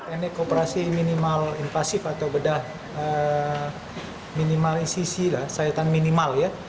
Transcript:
ini operasi minimal invasif atau bedah minimalisisi sayatan minimal ya